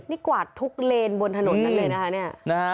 นี่กวาดทุกเลนบนถนนนั้นเลยนะคะเนี่ย